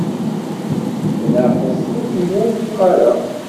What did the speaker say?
Bnaqes, ur kem-wufqeɣ ara.